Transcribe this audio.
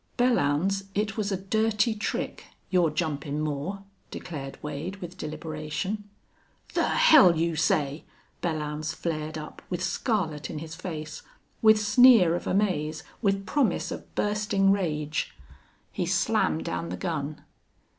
"Belllounds, it was a dirty trick your jumpin' Moore," declared Wade, with deliberation. "The hell you say!" Belllounds flared up, with scarlet in his face, with sneer of amaze, with promise of bursting rage. He slammed down the gun.